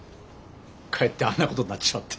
かえってあんなことになっちまって。